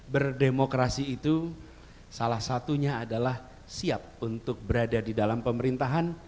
berdemokrasi itu salah satunya adalah siap untuk berada di dalam pemerintahan